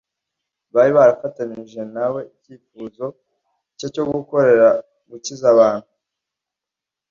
Bari barafatanije na we icyifuzo cye cyo gukorera gukiza abantu.